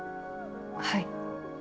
はい。